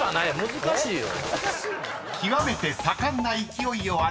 難しいよ。